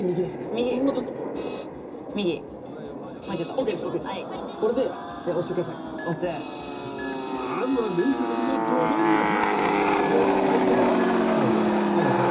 右もうちょっと押すアームはぬいぐるみのど真ん中あとは回転まだですよ